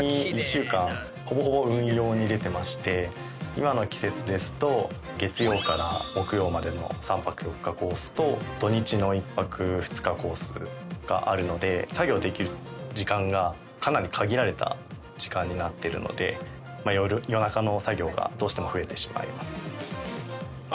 今の季節ですと月曜から木曜までの３泊４日コースと土日の１泊２日コースがあるので作業できる時間がかなり限られた時間になってるのでまあ夜中の作業がどうしても増えてしまいます。